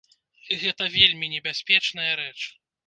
Гэта вельмі небяспечная рэч.